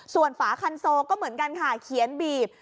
ส่วนฝาคันโซก็เหมือนกันค่ะเขียนบีบ